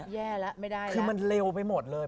แย่แล้วไม่ได้คือมันเร็วไปหมดเลย